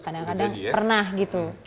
kadang kadang pernah gitu